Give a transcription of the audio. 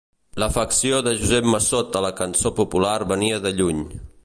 L’afecció de Josep Massot a la cançó popular venia de lluny.